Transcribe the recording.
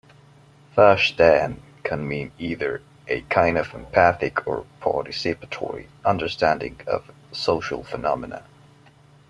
"Verstehen" can mean either a kind of empathic or participatory understanding of social phenomena.